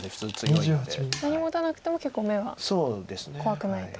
何も打たなくても結構眼は怖くないと。